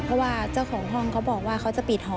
เพราะว่าเจ้าของห้องเขาบอกว่าเขาจะปิดหอ